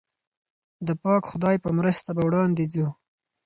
د پاک خدای په مرسته به وړاندې ځو.